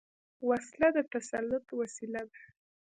وسله د تسلط وسيله ده